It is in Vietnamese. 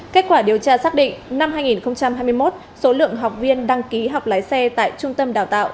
kết quả điều tra xác định năm hai nghìn hai mươi một số lượng học viên đăng ký học lái xe tại trung tâm đào tạo